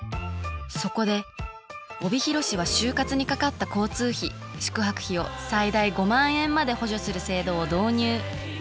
そこで帯広市は就活にかかった交通費宿泊費を最大５万円まで補助する制度を導入。